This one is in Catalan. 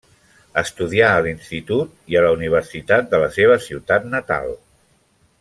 Estudià a l'institut i a la universitat de la seva ciutat natal.